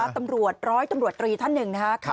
ตำรวจร้อยตำรวจตรีธรรมน์หนึ่งนะคะ